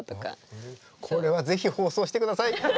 これは是非放送してください。